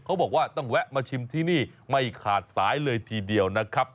เขาบอกว่าต้องแวะมาชิมที่นี่ไม่ขาดสายเลยทีเดียวนะครับ